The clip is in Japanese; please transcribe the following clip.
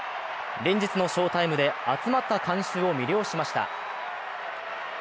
連日の翔タイムで集まった観衆を魅了しました。